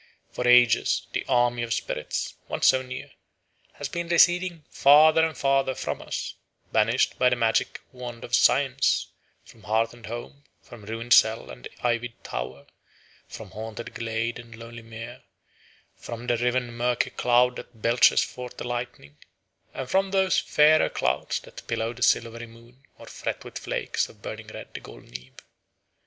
For ages the army of spirits, once so near, has been receding farther and farther from us, banished by the magic wand of science from hearth and home, from ruined cell and ivied tower, from haunted glade and lonely mere, from the riven murky cloud that belches forth the lightning, and from those fairer clouds that pillow the silvery moon or fret with flakes of burning red the golden eve.